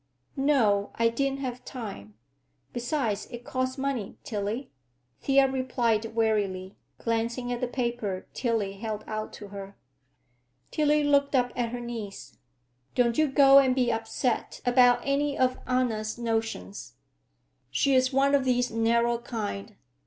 "No; I didn't have time. Besides, it costs money, Tillie," Thea replied wearily, glancing at the paper Tillie held out to her. Tillie looked up at her niece. "Don't you go and be upset about any of Anna's notions. She's one of these narrow kind.